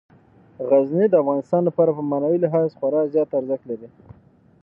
غزني د افغانانو لپاره په معنوي لحاظ خورا زیات ارزښت لري.